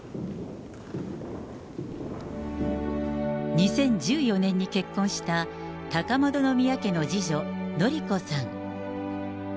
２０１４年に結婚した高円宮家の次女、典子さん。